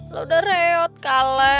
lu udah reot kale